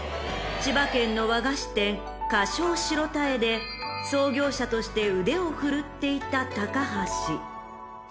［千葉県の和菓子店菓匠白妙で創業者として腕を振るっていた高橋］